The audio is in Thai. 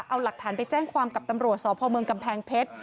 เอาหลักฐานไปแจ้งความกับตำรวจสพเมืองกำแพงเพชร